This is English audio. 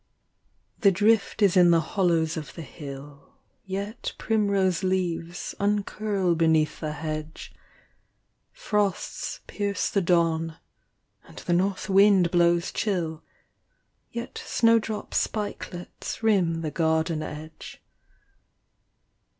rhe drift is in the hollows of the hill, Yet primrose leaves uncurl beneath the hedge ; Frosts pierce the dawn, and the north wind blows chill, Yet snowdrop spikelets rim the garden edge.